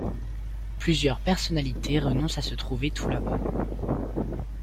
Plusieurs personnalités renoncent à se trouver tout là-bas.